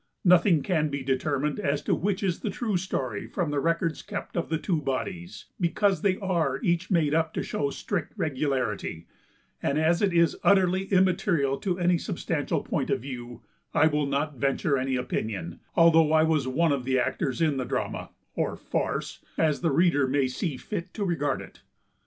Nothing can be determined as to which is the true story from the records kept of the two bodies, because they are each made up to show strict regularity, and as it is utterly immaterial in any substantial point of view, I will not venture any opinion, although I was one of the actors in the drama, or farce, as the reader may see fit to regard it.